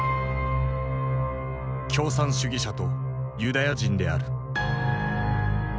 共産主義者とユダヤ人である。